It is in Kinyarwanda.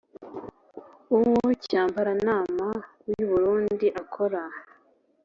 uwo cyambarantama w'i burundi akora